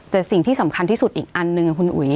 แต่สิ่งที่สำคัญที่สุดอีกอันหนึ่งคุณอุ๋ย